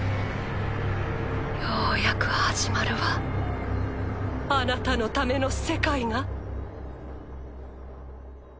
ようやく始まるわあなたのための世界が。